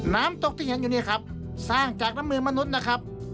น้ำตกที่เห็นอยู่นี่ครับสร้างจากน้ำมือมนุษย์นะครับ